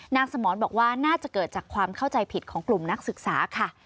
สมรบอกว่าน่าจะเกิดจากความเข้าใจผิดของกลุ่มนักศึกษาค่ะ